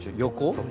そう。